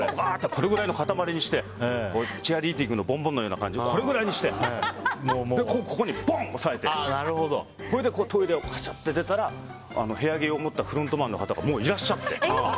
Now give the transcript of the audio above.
これぐらいの塊にしてチアリーディングのボンボンみたいにこれくらいにしてここにボンと押さえてそれでトイレを出たら部屋着を持ったフロントマンの方がもういらっしゃって。